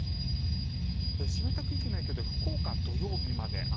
湿った空気の影響で福岡、土曜日まで雨。